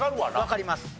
わかります。